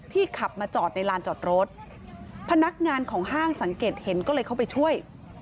ขับมาจอดในลานจอดรถพนักงานของห้างสังเกตเห็นก็เลยเข้าไปช่วย